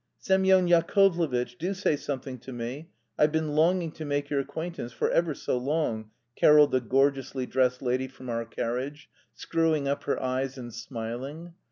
"Semyon Yakovlevitch, do say something to me. I've been longing to make your acquaintance for ever so long," carolled the gorgeously dressed lady from our carriage, screwing up her eyes and smiling.